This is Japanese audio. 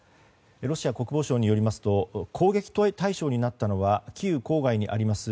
ロシア国防省によりますと攻撃対象になったのはキーウ郊外にあります